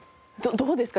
どどうですか？